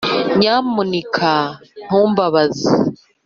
nyamuneka, ntumbabaza.